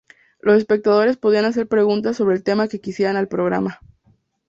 Los espectadores podían hacer preguntas sobre el tema que quisieran al programa.